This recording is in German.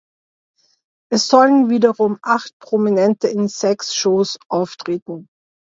Es sollen wiederum acht Prominente in sechs Shows auftreten.